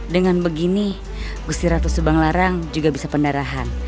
dengan begini gusti ratu kesubang larang juga bisa pendarahan